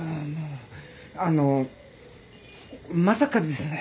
あのまさかですね